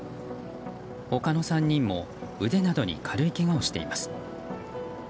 他の３人も腕などに軽いけがをしています。